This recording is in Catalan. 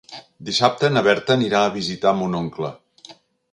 Dissabte na Berta anirà a visitar mon oncle.